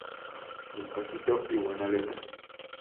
Despacito y buena letra